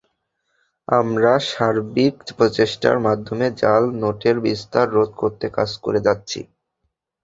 আমরা সার্বিক প্রচেষ্টার মাধ্যমে জাল নোটের বিস্তার রোধ করতে কাজ করে যাচ্ছি।